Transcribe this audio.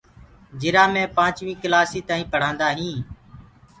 جِرا مي پانچوين ڪلاسي تائينٚ پڙهاندآ هينٚ